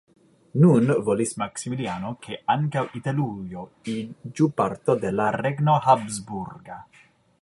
Nun volis Maksimiliano ke ankaŭ Italujo iĝu parto de la regno habsburga.